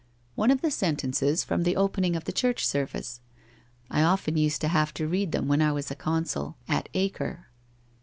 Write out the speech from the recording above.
One of the sentences from the opening of the church service. I often used to have to read them when I was consul at Acre.'